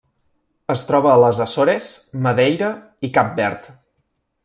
Es troba a les Açores, Madeira i Cap Verd.